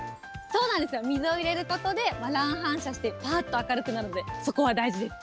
そうなんですよ、水を入れることで乱反射して、ぱーっと明るくなるので、そこは大事です。